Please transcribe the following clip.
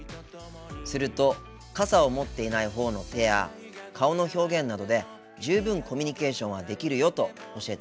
すると「傘を持っていないほうの手や顔の表現などで十分コミュニケーションはできるよ」と教えてくれました。